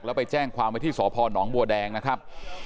แล้วไปแจ้งความไว้ที่สพนบัวแดงนะครับ